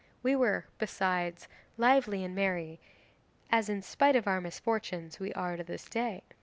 We were besides, lively and merry, as in spite of our misfortunes we are to this day.